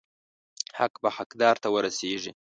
حق به حقدار ته ورسیږي.